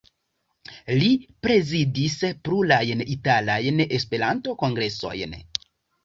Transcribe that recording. Li prezidis plurajn italajn Esperanto-kongresojn.